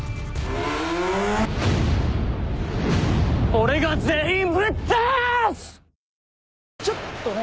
「俺が全員ぶっ飛ばす！」